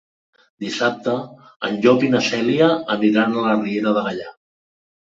Dissabte en Llop i na Cèlia aniran a la Riera de Gaià.